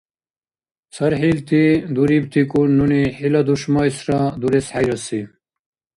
– ЦархӀилти дурибтикӀун нуни хӀила душмайсра дурес хӀейраси.